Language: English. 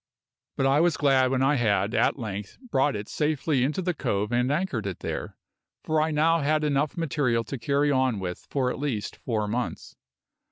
But I was glad when I had at length brought it safely into the cove and anchored it there, for I now had enough material to carry on with for at least four months.